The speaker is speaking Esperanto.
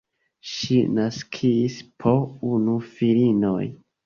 Ŝi naskis po unu filinojn.